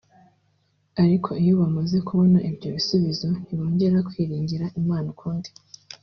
ariko iyo bamaze kubona ibyo bisubizo ntibongera kwiringira Imana ukundi